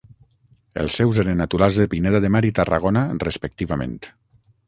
Els seus eren naturals de Pineda de Mar i Tarragona, respectivament.